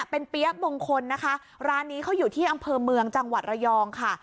เป็นเปี๊ยะมงคลนะคะร้านนี้เขาอยู่ที่อำเภอเมืองจังหวัดระยองค่ะ